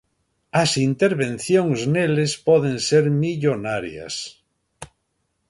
As intervencións neles poden ser millonarias.